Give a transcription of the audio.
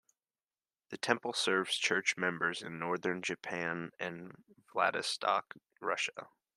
The temple serves church members in Northern Japan and Vladivostok, Russia.